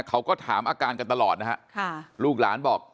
เขาก็ถามอาการกันตลอดนะฮะค่ะลูกหลานบอก